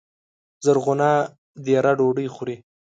زرغونه دېره ډوډۍ خوري